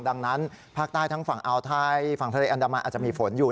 ดังนั้นภาคใต้ทั้งฝั่งอ่าวไทยฝั่งทะเลอันดามันอาจจะมีฝนอยู่